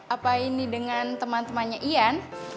apa ini dengan teman temannya ian